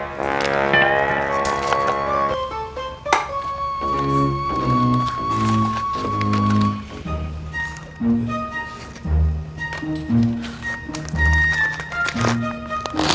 memang mamang tidak sekolah tinggi